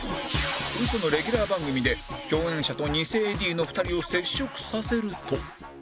ウソのレギュラー番組で共演者と偽 ＡＤ の２人を接触させると